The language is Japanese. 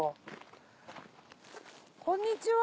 こんにちは。